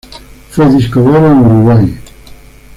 Fue disco de oro en Uruguay.